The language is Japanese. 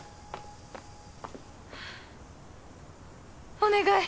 お願い！